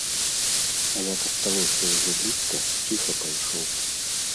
А як асталося ўжо блізка, ціха пайшоў.